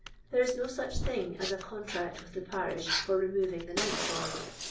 There is no such thing as a contract with the parish for removing the nightsoii.